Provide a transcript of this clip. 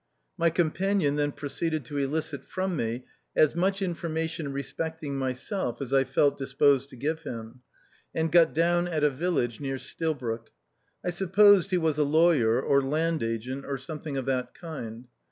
My companion then proceeded to elicit from me as much information respecting myself as I felt disposed to give him, and got down at a village near Stil broke. I supposed he was a lawyer, or land agent, or something of that kind.